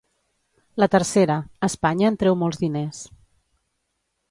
La tercera: Espanya en treu molts diners.